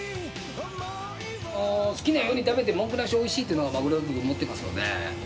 好きなように食べて、文句なしにおいしいというのがマグロだと思ってますので。